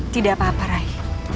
tidak apa apa rai